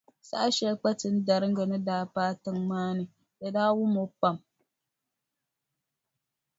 Saha shɛli Kpatinariŋga ni daa ti paai tiŋa maa ni, di daa wum o pam.